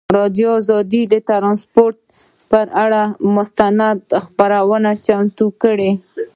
ازادي راډیو د ترانسپورټ پر اړه مستند خپرونه چمتو کړې.